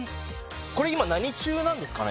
これ今何中なんですかね？